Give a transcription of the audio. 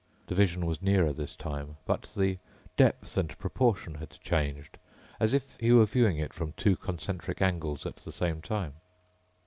The vision was nearer this time, but the depth and proportion had changed ... as if he were viewing it from two concentric angles at the same time.